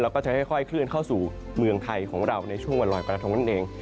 แล้วก็จะค่อยเคลื่อนเข้าสู่เมืองไทยของเราในช่วงวันลอยกระทงนั่นเอง